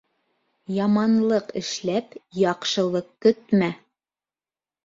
Яманлыҡ эшләп, яҡшылыҡ көтмә.